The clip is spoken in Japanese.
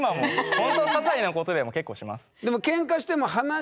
ほんとささいなことでも結構します。